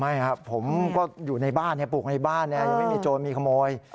ไม่ครับผมก็อยู่ในบ้านปลูกในบ้านยังไม่มีโจรมีขโมย